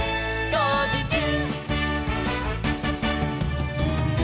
「こうじちゅう！！」